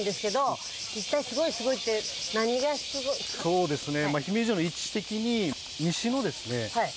そうですね。